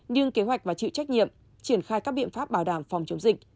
nhưng kế hoạch và chịu trách nhiệm triển khai các biện pháp bảo đảm phòng chống dịch